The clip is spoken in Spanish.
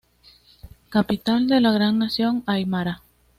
Capital de la Gran Nación Aimara.